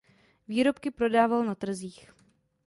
Výrobky prodával na trzích.